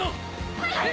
はい！